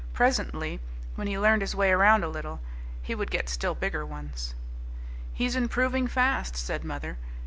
Presently, when he learned his way round a little, he would get still bigger ones. "He's improving fast," said mother.